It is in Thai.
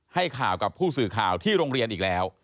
ให้ข่าวกับผู้สื่อข่าวที่โรงเรียนอีกแล้ว